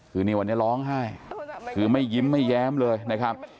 คือนี่วันนี้ร้องไห้คือไม่ยิ้มไม่แย้มเลยนะครับ